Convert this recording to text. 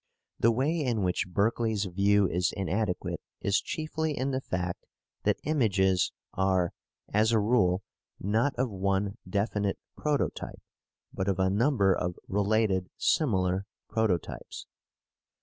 The way in which Berkeley's view is inadequate is chiefly in the fact that images are as a rule not of one definite prototype, but of a number of related similar prototypes.